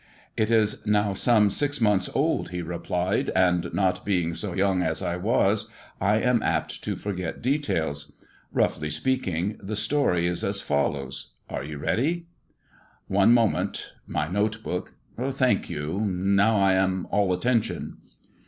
, It is now some six months old," he replied, "and not being so young as I was I am apt to forget details. Roughly speaking, the story is as follows. Are you ready ]" "One moment; my note book. Thank you I Now I am all attention."